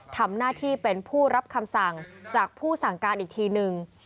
ทำหน้าที่เป็นผู้รับคำสั่งจากผู้สั่งการอีกทีนึง